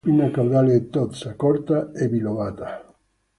La pinna caudale è tozza, corta e bilobata.